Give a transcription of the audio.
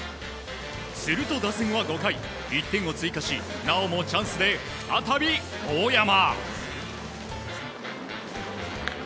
すると打線は５回、１点を追加しなおもチャンスで再び大山。